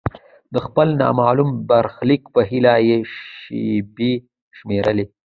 د خپل نامعلوم برخلیک په هیله یې شیبې شمیرلې.